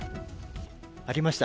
ありました。